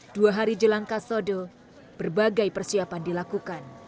dua hari jelang kasode berbagai persiapan dilakukan